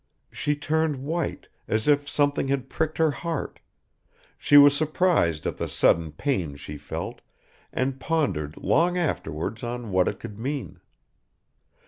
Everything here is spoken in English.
. She turned white, as if something had pricked her heart; she was surprised at the sudden pain she felt and pondered long afterwards on what it could mean.